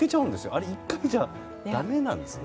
あれ、１回じゃだめなんですね。